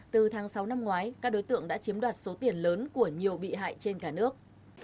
từ tháng sáu năm ngoái các đối tượng đã chiếm đoạt số tiền lớn của nhiều bị hại trên cả nước